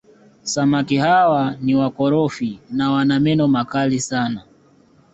samaki hawa ni wakorofi na wana meno makali sana